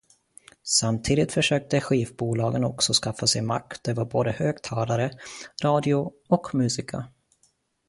Samtidigt försökte skivbolagen också skaffa sig makt över både högtalare, radio och musiker.